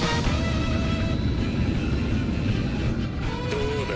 どうだ？